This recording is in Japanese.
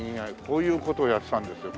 こういう事をやってたんですよ。